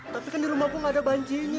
tapi kan di rumah gua gak ada banjir ini